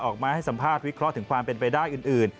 ออกมาให้สัมภาษณ์วิเคราะห์ถึงความเป็นไปได้อื่น